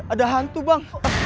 ada hantu bang